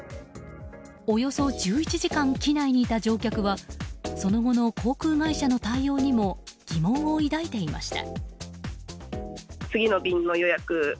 およそ１１時間機内にいた乗客はその後の航空会社の対応にも疑問を抱いていました。